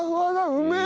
うめえ！